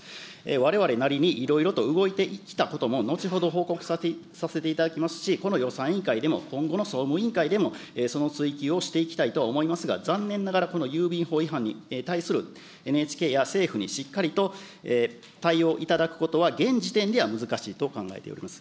われわれなりにいろいろと動いてきたことも、後ほど報告させていただきますし、この予算委員会でも、今後の総務委員会でもその追及をしていきたいと思いますが、残念ながら、この郵便法違反に対するＮＨＫや政府にしっかりと対応いただくことは現時点では難しいと考えております。